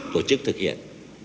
tổ chức thực hiện